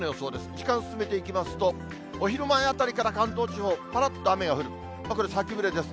時間進めていきますと、お昼前あたりから関東地方、ぱらっと雨が降り、これ、先降りです。